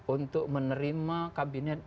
untuk menerima kabinet